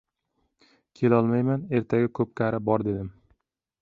— Kelolmayman, ertaga ko‘pkari bor, — dedim.